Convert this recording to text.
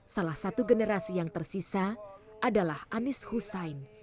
salah satu generasi yang tersisa adalah anies hussein